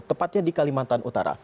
tepatnya di kalimantan utara